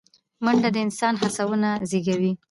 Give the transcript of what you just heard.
منډه د انسان هڅونه زیږوي